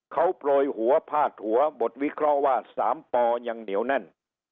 เขาโปรยหัวพาดหัวบทวิเคราะห์ว่า๓ปยังเหนียวแน่น